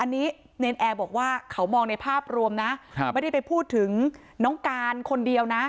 นินแอบบอกว่าเขามองในภาพรวมไม่ได้ไปพูดถึงน้องการคนเดียว